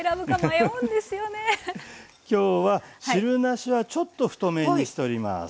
今日は汁なしはちょっと太麺にしております。